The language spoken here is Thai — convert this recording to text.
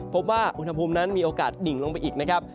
พบว่าอุณหภูมินั้นมีโอกาสดิ่งลงไปอีกนะครับ